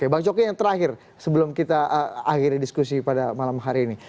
bang coki yang terakhir sebelum kita akhiri diskusi pada malam hari ini